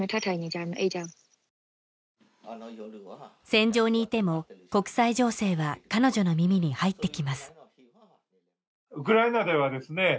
戦場にいても国際情勢は彼女の耳に入ってきますウクライナではですね